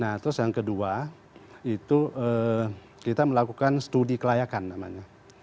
nah terus yang kedua itu kita melakukan studi kelayakan namanya